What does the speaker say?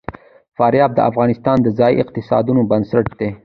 فاریاب د افغانستان د ځایي اقتصادونو بنسټ دی.